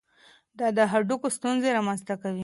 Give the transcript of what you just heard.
دا د هډوکو ستونزې رامنځته کوي.